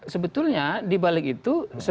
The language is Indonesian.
sebetulnya dibalik itu